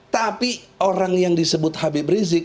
tapi orang yang disebut habib rizik